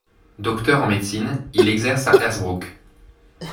Docteur en médecine, il exerce à Hersbruck.